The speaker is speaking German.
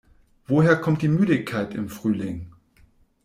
Woher kommt die Müdigkeit im Frühling?